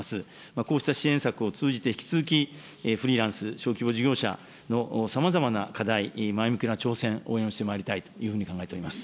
こうした支援策を通じて、引き続きフリーランス、小規模事業者のさまざまな課題、前向きな挑戦、応援してまいりたいというふうに考えております。